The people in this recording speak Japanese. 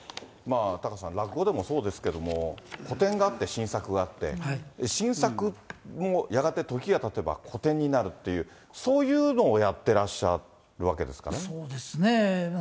タカさん、落語でもそうですけど、古典があって新作があって、新作もやがて時がたてば古典になるっていう、そういうのをやってそうですね。